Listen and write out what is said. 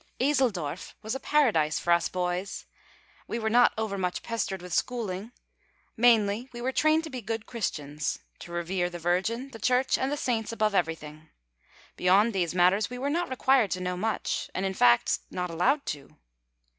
Eseldorf was a paradise for us boys. We were not overmuch pestered with schooling. Mainly we were trained to be good Christians; to revere the Virgin, the Church, and the saints above everything. Beyond these matters we were not required to know much; and, in fact, not allowed to.